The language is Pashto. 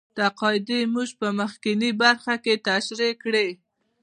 دا قاعدې موږ په مخکینۍ برخه کې تشرېح کړې.